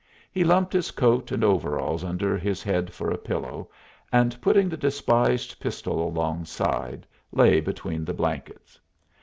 He lumped his coat and overalls under his head for a pillow, and, putting the despised pistol alongside, lay between the blankets.